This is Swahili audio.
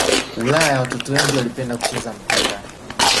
Ulaya watoto wengi walipenda kucheza mpira